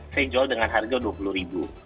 saya jual dengan harga rp dua puluh ribu